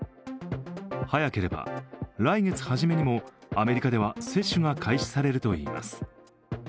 早ければ来月初めにもアメリカでは接種が開始されるといいます。